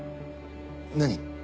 何？